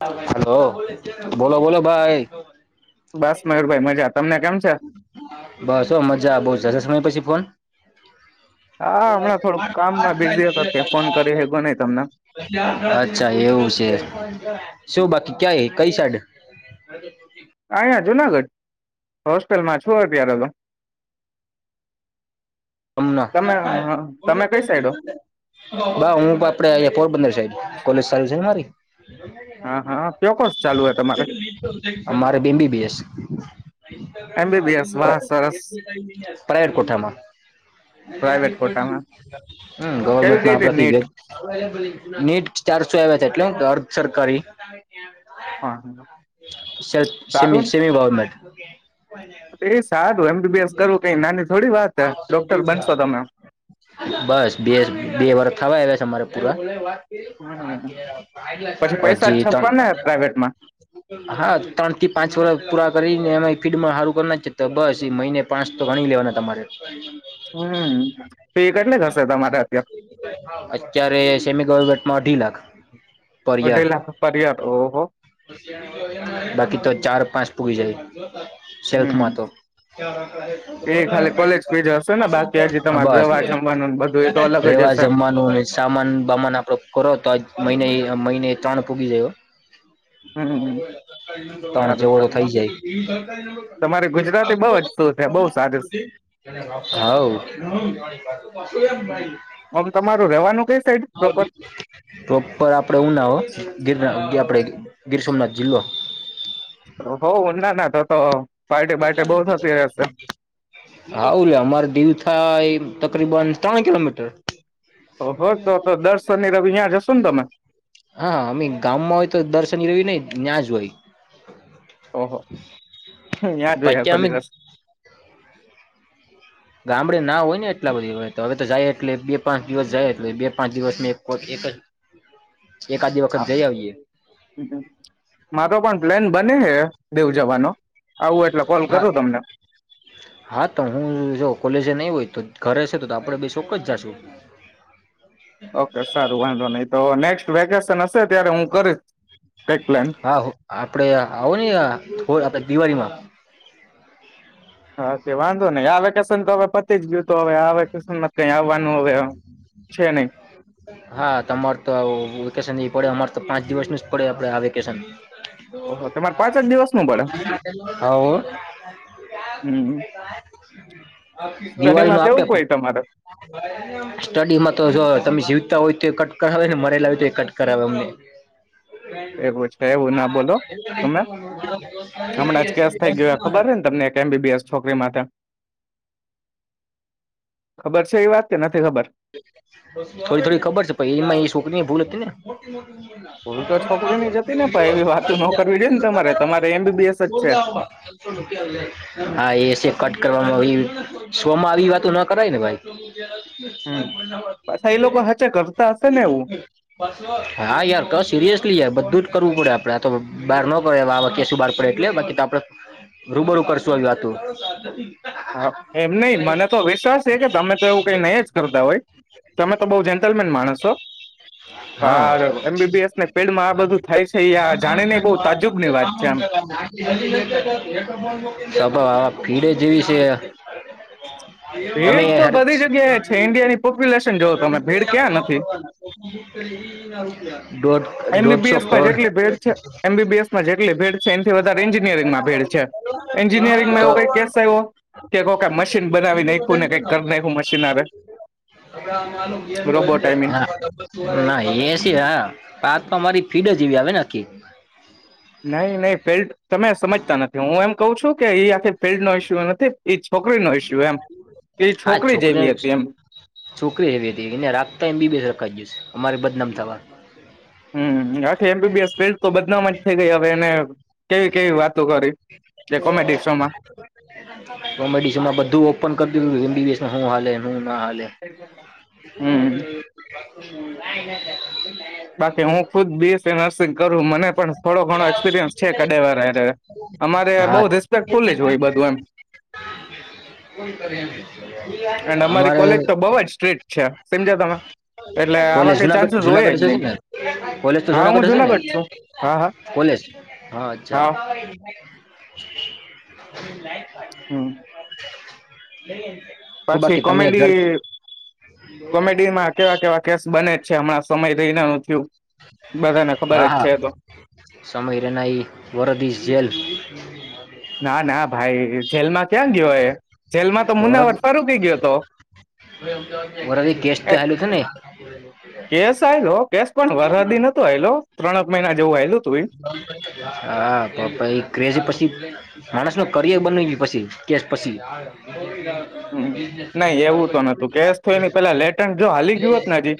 હાલો બોલો બોલો ભાઈ બસ મયુરભાઈ મજા તમને કેમ? છે બસ ઓ મજા બઉ જા સમય પછી ફોન હા હમણાં થોડુંક કામમાં બિઝી હતો તે ફોન કરી હેગો નહી તમને અચ્છા એવું છે શું બાકી ક્યા કઈ સાઈડ? [inaudible] અયા જુનાગઢ હોસ્ટેલમાં છો અપ હતો. હમ કઈ સાઈડો હું આપડે પોરબંદર સાઈડ કોલેજ સારી છે ને મારી હા હા કયો કોર્સ ચાલુ હે તમારે મારે એમબીબીએસ વાહ સરસ બેમબીબીએસાયટ કોઠામાં. પ્રાઇવેટ કોટામાં કેવી ગઈ તી નીટ ગવર્મેન્ટમાંતિભે નીટ ચારસો આવ્યા. ગર ચર કરી હા હા. સે સારું સેમી ગવર્મેન્ટ એ સાદું એમ. ડોક્ટર બનશો તમે બસ બે બે વર્ષ થવા આયવ છે અમારે હમ પછી [unintelligible] પૈસા જ હજી ત છપવાના હે પ્રાઇવેટમાં હા ત્રણથી પાંચ વરહ પુરા કરીને એમાં ફીડમાં સારું કરના છે તો બસ પછી મહિને પાંચ તો ગણી લેવાના તમારે. હમ ફી કેટલી હશે તમારે અત્યારે અત્યારે સેમી ગવમેટમાં અઢી લાખ. પરિયાર અઢી લાખ પર યર ઓહો બાકી તો ચાર પાંચ પુગી જાય જોતા સેલ્ફ હમ માં તો એ ખાલી કોલેજ ફીજ હશે ને બાકી હજી [unintelligible] તમારે બસ દવા જમવાનું બધું એ તો અલગ જ રહેેવા હશે જમવાનું સામાન બામાન આપડો કરો તો આજ મહિને એક મહિને ત્રણ પૂગી જાય હમ તણ સારું જેવો તો સારું થઈ જાય. તમારે ગુજરાતી હઉ, બઉ જ શું છે બઉ સારું આમ તમારું રેવાનું કઈ સાઈડ પ્રોપર પ્રોપર આપડે ઉના હો ગીર ના આપણે ગીર સોમનાથ જિલ્લો રહો ઓ ના ના તો તો પાર્ટી હા, બાર્ટી બઉ થતી રહેશે હું અલ્યા અમારે દીવ થાય તકરીબન ત્રણ કિલોમીટર ઓહો તો તો દર શનિ રવિ ત્યાં જશો ને તમે હા, અમે ગામમાં હોય તો દર શનિ રવિ નહી ન્યા જ હોય. [unintelligible] ક્યાં જોઈ પછી આખો અમે દિવસ? ગામડે ના હોય ને એટલા બધી હોય તો હવે તો જાય એટલે બે પાંચ દિવસ જાય એટલે બે પાંચ દિવસ મેં એક જ. એકાદી વખત હા જઈ આવીએ મારો પણ પ્લેન બને. દેવ જવાનો. આવું એટલે કોલ હા કરું તમને હા તો હું જો કોલેજ ની હોય. તો ઘરે છે તો તો આપડે બે શોક જ જાશું. ઓકે સારું વાંધો નહી તો નેક્ વેકેશન હશે ત્યારે હું કરીશ. કઈક પ્લાન હા આપડે આવો ને આપ દિવાળીમાં. હા તે વાંધો નઈ આ વેકેશન તો હવે પતી તો હવે આ વેકેશનમાં કઈ આવવાનું હવે છે નહી હા તમારે તો વેકેશન પડે પાંચ દિવસ ન જ પડે આપડે આ વેકેશન ઓહો તમારે પાંચ જ દિવસ નું પડે હમ દિવાળી સ્ટડીમાં નું આપે કેવું કોઈ તમારે સ્ટડીમાં તો જો તમે જી હોય તો કટ કરાવે ને મરેલા હોય તો એ કટ કરાવે અમને. એવું છે એવું ના બોલો તમે હમણાં જ કેસ થઈ ગયો ખબર રહે ને તમને એક એમબીબીએસ છોકરી માટે. ખબર છે એ વાત કે નથી ખબર? થોડી થોડી ખબર છે પ એમાં એ છોકરી ભૂલ હતી ને. ભૂલ તો છોકરીની જ હતી ને પણ એવી વાતો ન કરવી જોઈએ ને તમારે તમારે એમબીબીએસ જ છે હા એસી કટ કરવા શોમાં આવી વાતો ના કરાય ને ભાઈ. હમ પાછા એ લોકો હચે કરતા હશે ને એવું હા યાર ક સિરિયસલી યાર બધું કરવું પડે આપડે આ તો બહાર ન પે આ વા શું બહાર પડે એટલે બાકી તો આપડે રૂબરૂ કરશું આવી વાતું. હા એમ નહી મને તો વિશ્વાસ છે કે તમે તો એવું કઈ નહી કરતા હોય તમે તો બ જેન્ટલમેન માણસો હા એમબીબીએસ ફીડમાં આ બધું થાય છે જાણીને બ તાજુબની વાત છે આમ. ભીડે જેવી છે. તમે. ભીડ તો બધી જગ્યાએ છે ઈન્ડિયાની પોપ્યુલેશન જોવો તમે ભીડ ક્યાં નથી [inaudible] એમબીબીએસમાં કરોડ જેટલી ભેડ છે એમબીબીએસમાં જેટલી ભેડ છે એથી વધારે એન્જિનિયરંગમાં ભેડ છે તો એન્જિનિયરિંગમાંવું કઈ કેસ આવ્યો કે કઈ મશીન બનાવી નાખ્યું ને કઈ કરી નાખું. રોબોટ આઈ મીન ના એસી હ પા મારી ફીડ જેવી આવેને આખી નહી નહી ફેલ તમે સમજતા નથી હું એમ કઉ છું કે એ આખી ફિલ્ડ નો ઇસ્યુ નથી એ છોકરીનો ઇસ્યુ એમ એ હા, છોકરી જેવી છોકરીયા હતી જ એમ છોકરી એવી હતી એને રાખતા બી બેસી રખાઈ ગઈ અમારે બદનામી થવા. હમ્મ હમ્મ [unintelligible] એમ બી બી એસ ફેલ તો બદનામ જ થઈ ગઈ હવે એને કેવી-કેવી વાતો કરી? જે કોમેડી શોમાં કોમેડી શો માં બધું ઓપન કરતું [unintelligible] હુ હાલે એમાં હું ના હાલે હમ [unintelligible] બાકી હું ખુદ બીએસ નર્સિંગ કરું મને પણ થોડો ઘણો એક્સપિરિયન્સ છે. એવા અમારે હા બહુ રિસ્પેક્ટફુલ જ હોય, બધું એમ એન્ડ અમારી અમારે કોલેજ તો બહુ જ સ્ટ્રીટ છે, સમજો તમે, એટલે આવા કોલેજ કઈ જુનાગઢ ચાન્સીસ હોય જ જુનાગઢ હશે નહી. કોલેજ તો હા હું જુનાગઢ હશે ને? છું હા હા કોલેજ? હા, અચ્છા. [unintelligible] હમ. હ. [unintelligible] પછી કોમેડી-કોમેડીમાં કેવા-કેવા કેસ બને? હમણાં સમય લે ના આવું થયુ. હા હા, સમય રેનાઈ વરદીશ જેલ. ના, ના ભાઈ, જેલમાં ક્યાં ગયો એ? જેલમાં તો વરદ મુનાવટ પર રૂકી ગયો હતો. વરાથી ગૅસ્ટ તો હાલું તો ને? [unintelligible] કેશ આલો, કેશ પણ વરદી નહોતો. આલો ત્રણક મહિના જેવું આલું. હા, પપ્પા એ ક્રેઝ પછી માણસ નુ કરિયર બનાવ્યા પછી કે પછી હમ્મ, નહી એવું તો નતું કેશ થઈ ને પેલા લેટન્ટ જો હાલી ગયું હોતને હજી,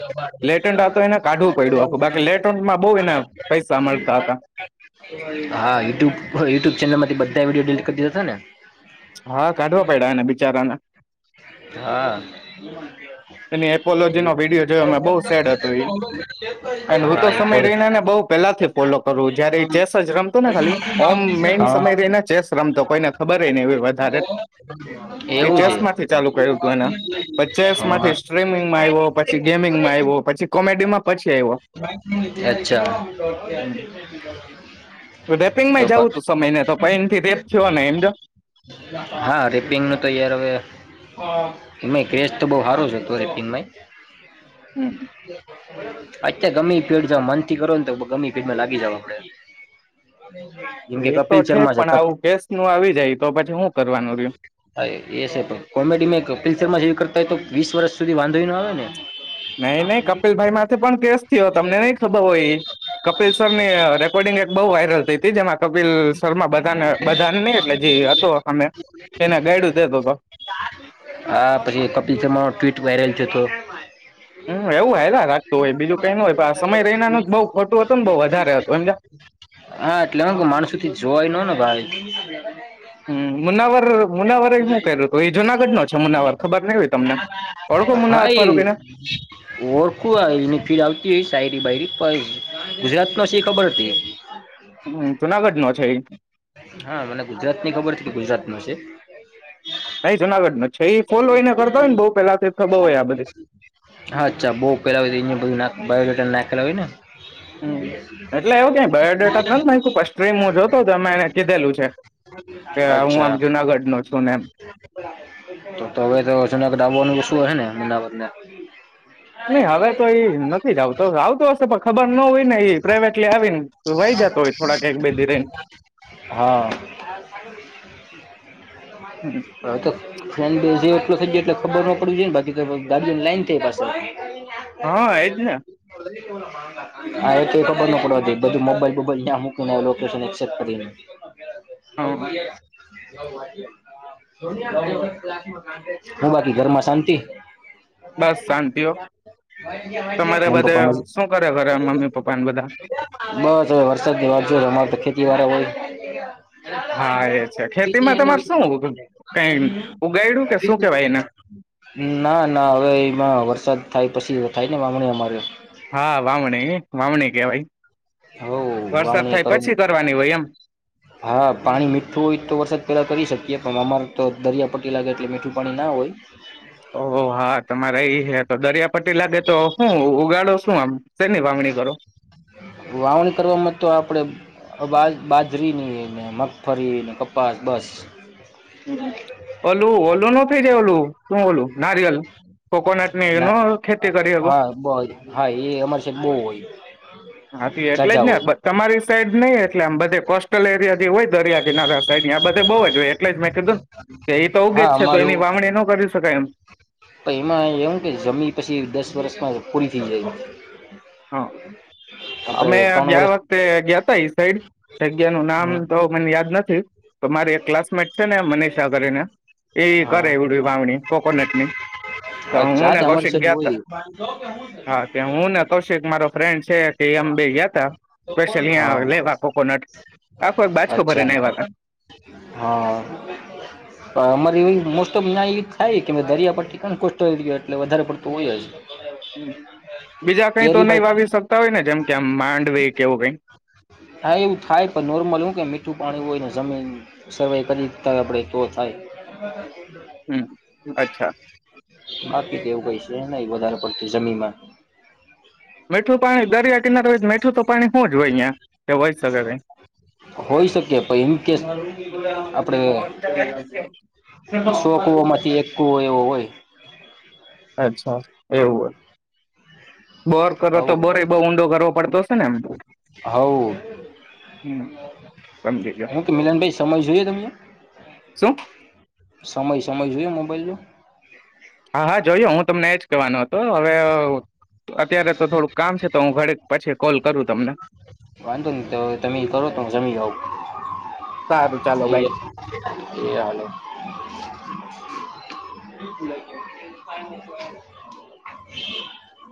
લેટન્ટ આ તો એને કાઢવું પડ્યું આખું બાકી લેટન્ટ માં બઉ એના પૈસા મળતા હતા. હા, યુટ્યુબ યુટ્યુબ ચેનલમાંથી બધું વિડીયો ડિલીટ હા કાઢવા કરી પડ્યા એને બિચારાને દીધા તા ને? હા. એની એપોલોજી નો વિડીયો જોયો, મે બઉુ સેડ હતો. એન્ડ હું હા તો એ સમય પોલ રહીને ને બઉ પેલાથી ફોલો કરુ જયારે એ ચેસ જ રમતો ને ખાલી ઓમ મેન હા સમય રને ચેસ રમતો કોઈને ખબર ને એ વધારે. એ એવું છે ચેસ માંથી ચાલુ કર્યું હતું એને. ચેસ હા માંથી સ્ટ્રીમિંગમાં આયવો, પછી ગેમિંગમાં આયવો, પછી કોમેડીમાં પછી આયવો. અચ્છા તો તું સમય ને તો પૈન થી રેપ થયો ને એમજો હા, રેપિંગ નું તો, યાર, હવે. કસ તો બહ સારું છે, હતું રેપિનય હમ્મ [unintelligible] ગમે [unintelligible] મનથી કરો ને તો ગમે ઇ ફીડ મા લા ગી જવું આપડે જેમ કે એ કપિલ તો ઠેક શર્મા છે પણ ક આવું કેસ નું આવી જાય તો પછી હું કરવાનું રહ્યું હા એ છે પણ કોમેડીમાં કપિલ શર્મા જે કર ત તો વીસ વર્ષ સુધી વાંધો એ ન આવે ને નહી નહી કપિલભાઈ માથે પણ કેસ થયો તમને નહી ખબર હોય કપિલ સર ની રેકોર્ડિંગ એક બહુ વાયરલ થઈ તી જેમાં કપિલ [inaudible] શર્મા બધાને હા બધાને નહી એટલે જે પછી હતો અમે કપિલ એને શર્મા ગાઈડું દેતો હતો ન ટ્વીટ વાયરલ થયો તો હમ એવું હાયલા રાખતું હોય બીજું કઈ ન હોય પણ આ સમય રૈનાનું બહુ ખોટું હતું ને બહુ વધારે હતું એમ હા એટલે હું કે માણસો જોવાય નો ન ભાઈ. હમ મુનાવર મુનાવરે હું કર્યું હતું એ જુનાગઢ નો છે મુનાવર ખબર નહિ હોય તમને ઓડખો હા મુનાવર એ કોઈને ઓળખું આ ગુજરાત નો શી ખબર હતી. હમ જુનાગઢ નો છે ઈ. હા મને ગુજરાતની ખબર હતી કે ગુજરાત નો છે. નઈ જુનાગઢ નો જ છે ઈ ફોલોઈને કરતો હોય ને બો પેલા એ ખબર હોય આ બધી. હા અચ્છા બહુ પેલા હોય અહીંયા બધું ના બાયોડેટા નાખેલા હોય ને. હમ્મ એટલે એવું કય બાયડેટા નથ નાંયખો [unintelligible] હું અચ્છા, આમ જુનાગઢ નો છું ને એમ તો તવે તોજનાક ડબવાનું શું હ છે ને અમદાવાદને નહીં, હવે તો એઈ નથી જ આવતો. આવતો હશે, પણ ખબર ન હોય ને. એ પ્રાઇવેટલી આવી ને વય જતો હોય, થોડાક બે દીન રેન હા. રહીને હવે તો ફ્રેન્ડ [unintelligible] થઈ જાય એટલે ખબર ન પડી, જોઈ ને બાકી ગીન લાઈન થાય પાસે. [inaudible] હા એજ ને હા એ તો ખબર નો પડવા દે બધું મોબાઈલ બોબાઈલ ક્યાં મૂકી લોકેશન એક્સેપ્ટ કરીને. [inaudible] [inaudible] હ હું બાકી ઘરમાં શાંતિ. બસ શાંતિઓ તમારે બધે શું કરે ઘરે મમ્મી પપ્પા ને બધા [inaudible] [inaudible] [inaudible] [inaudible] હા એ છે ખેતીમાં તમારે શું કઈ ઉગાયડું કે શું કેવાય એને ના ના હવે એમાં વરસાદ થાય. પછી અયા થાય ને વાવણી અમારી. હા વાવણી વાવણી કેવાય. હ વરસાદ વાવણી થાય કર પછી કરવાની હોય એમ હા પાણી મીઠું હોય તો વરસાદ પેલા કરી શકીએ પણ અમાર તો દરિયા પટ્ટી લાગે એટલે મીઠું પાણી ના હોય. ઓ હા તમારે ઈ હ તો દરિયા પટ્ટી લાગે તો હું ઉગાડો શું આમ શેની વાવણી કરો વાઉન કરવામાં તો આ પડે બા બાજરીની ને મગફળીને કપાસ બસ. ઓલું ઓલું ન થઈ જે ઓલું. તું ઓલુ. નારિયલ કોકોનટની ન ના ખેતી કરી હકો હા બ હા એ અમારી સાઈડ બહુ હોય હા એટલે જ ઝાઝા ને હોય તમારી સાઈડ નઈ એટલે આમ બધે કોસ્ટલ એરિયા થી હોય દરિયા કિનારા સાઈડ યા બધે બહુ જ એટલે જ મેં કીધું કે એ તો બેજ હા જ છે તો એની અમારું વાવણી ન કરી શકાય એમ. તો એમાં એવું કે જમી પછી દસ વર્ષમાં પૂરી થઈ જાય. હા આપડે અમે ત્રણ ગયા વર્ષ વખતે ગયાતા એ સાઈડ જગ્યા નું નામ હમ તો મને યાદ નથી. તો મારી એક ક્લાસમેટ છે ને મનીષા કરીને એ હા કરે ઇવડી વાવણી કોકોનટ ની તો હું અચ્છા ને અમારી કૌશિક સાઈડ ગયા તા હોય હા ત્યા હું ને કૌશિક મારો ફ્રેન્ડ છે તે અમ બે ગયા તા હા સ્પેશલં લેવા કોકોનટ આખો એક બાજકો અચ્છા ભરી લાયવા તા. હા, પણ અમારે એ મોસ્ટ ઓફ નાયા એ થાય કે દરિયા પી ક કોષ ગયો એટલે વધારે પડતું હોય જ. હમ્મ, બીજા કઈ તો કેરી બાજ નહી વાવી શકતા હોય ને જેમ કે આમ માંડવી કેવું કઈ? હા એવું થાય પણ નોર્મલ હું કે મીઠું પાણી હોયને જમીન સર્વે કરી ત આપણેે તો થાય. હમ અચ્છા બાકી કેવું કઈ છે નઈ વધારે પડતી જમીનમાં. મીઠું પાણી દરિયા કિનારે જ મીઠું તો પાણી હો જ હોય કે હોય શકે હોઈ શકે પણ ઇનકેસ આપડે સો કઈ? કુવામાંથી એક કુવો એવો હોય અચ્છા એવું હોય. બોર કરો હવ તો બોર એ બહ ઊંડો કરવો પડતો હશે ને એમ તો. હવ હમ્મ સમજી ગયો. હું કે મિલનભાઈ સમય જોઈએ તમને શું સમય સમય જોયું મોબાઈલ નુ. હા હા જોયો હું તમને જ કહેવાનો હતો તો હવે અત્યારે તો થોડુંક કામ છે તો હું ઘડી પછી કોલ કરું તમને. વાંધો નહી તો તમે સારું ચાલો બાય એય એ હા. [inaudible]